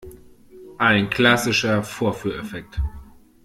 Ein klassischer Vorführeffekt!